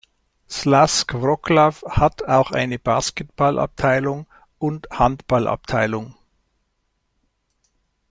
Śląsk Wrocław hat auch eine Basketballabteilung und Handballabteilung.